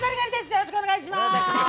よろしくお願いします。